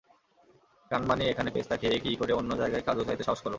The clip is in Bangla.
কানমাণি এখানে পেস্তা খেয়ে কী করে অন্য জায়গায় কাজু চাইতে সাহস করো।